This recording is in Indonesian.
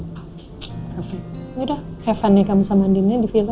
perfect yaudah have fun nih kamu sama andiennya di villa